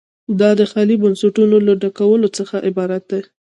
دا د خالي بستونو له ډکولو څخه عبارت دی.